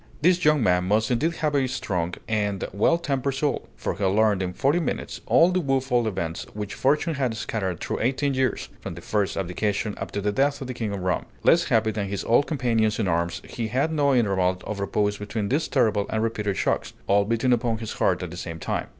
This young man must indeed have had a strong and well tempered soul; for he learned in forty minutes all the woful events which fortune had scattered through eighteen years, from the first abdication up to the death of the King of Rome. Less happy than his old companions in arms, he had no interval of repose between these terrible and repeated shocks, all beating upon his heart at the same time.